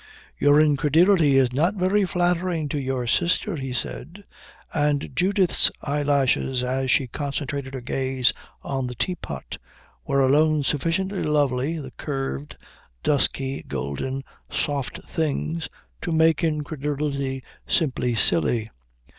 "Your incredulity is not very flattering to your sister," he said; and Judith's eyelashes as she concentrated her gaze on the teapot were alone sufficiently lovely, the curved, dusky golden soft things, to make incredulity simply silly.